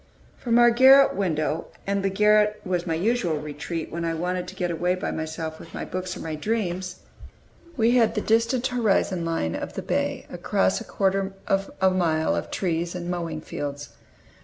From our garret window and the garret was my usual retreat when I wanted to get away by myself with my books or my dreams we had the distant horizon line of the bay, across a quarter of a mile of trees and mowing fields.